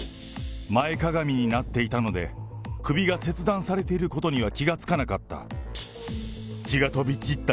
前かがみになっていたので、首が切断されていることには気が付かなかった。